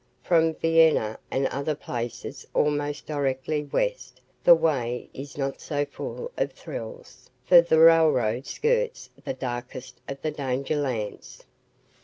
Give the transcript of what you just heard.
From Vienna and other places almost directly west the way is not so full of thrills, for the railroad skirts the darkest of the dangerlands.